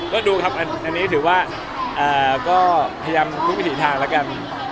ก็ดูครับอันนี้ถือว่าก็พยายามทุกวิถีทางแล้วกัน